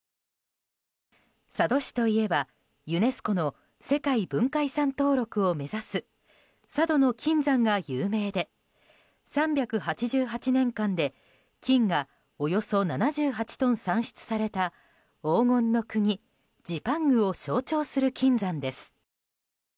佐渡市といえば、ユネスコの世界文化遺産登録を目指す佐渡島の金山が有名で３８８年間で金がおよそ７８トン産出された黄金の国ジパングを象徴する金山です。